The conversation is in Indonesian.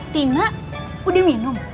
tidak udah minum